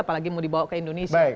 apalagi mau dibawa ke indonesia